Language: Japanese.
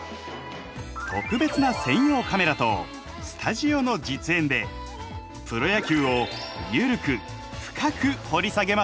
特別な専用カメラとスタジオの実演でプロ野球をゆるく、深く掘り下げます。